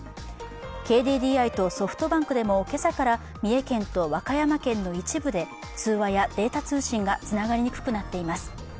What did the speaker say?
ＫＤＤＩとソフトバンクでも今朝から三重県と和歌山県の一部で通話やデータ通信がつながりにくくなっています。